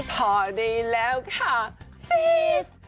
พอดีแล้วค่ะซีส